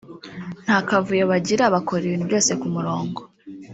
nta kavuyo bagira bakora ibintu byose ku murongo